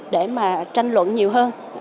để mà tranh luận nhiều hơn